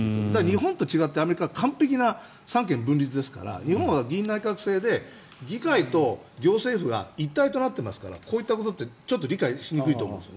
日本と違ってアメリカは完璧な三権分立ですから日本は議院内閣制で議会と行政府が一体となっていますからこういったことって理解しにくいと思うんです。